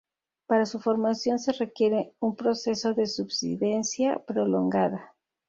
Para su formación se requiere un proceso de subsidencia prolongada.